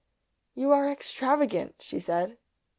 "You are extravagant," she said.